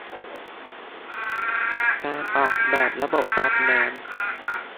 การออกแบบระบบซับน้ำ